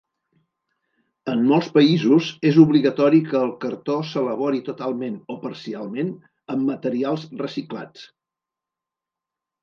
En molts països és obligatori que el cartó s'elabori totalment o parcialment amb materials reciclats.